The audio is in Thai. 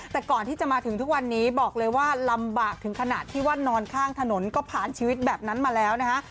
แต่ก่อนที่จะมาถึงทุกวันนี้บอกเลยว่าลำบากถึงขนาดที่ว่านอนข้างถนนก็ผ่านชีวิตแบบนั้นมาแล้วนะคะ